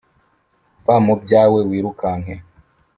va mu byawe wi rukanke